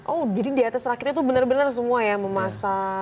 oh jadi di atas rakitnya itu benar benar semua ya memasak